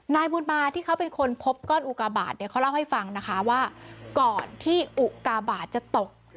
นายบุญมาที่เขาเป็นคนพบก้อนอุกาบาทเนี่ยเขาเล่าให้ฟังนะคะว่าก่อนที่อุกาบาทจะตก